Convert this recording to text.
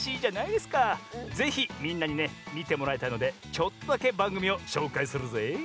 ぜひみんなにねみてもらいたいのでちょっとだけばんぐみをしょうかいするぜい！